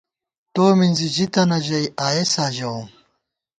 تو مِنزی ژِی تنہ ژَئی “آئېسا” ژَوُم